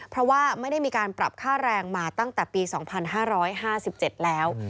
เพราะว่าไม่ได้มีการปรับค่าแรงมาตั้งแต่ปี๒๕๕๗แล้ว